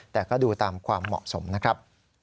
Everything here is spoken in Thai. แต่ก็ดูตามความเหมาะสมนะครับ